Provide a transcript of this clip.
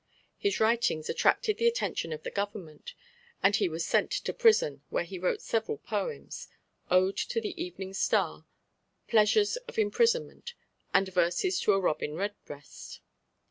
His writings attracted the attention of the Government, and he was sent to prison, where he wrote several poems Ode to the Evening Star, Pleasures of Imprisonment, and Verses to a Robin Redbreast.